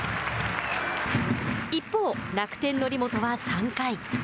一方、楽天則本は３回。